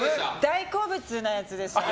大好物なやつですね。